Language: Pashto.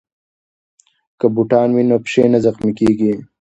که بوټان وي نو پښې نه زخمي کیږي.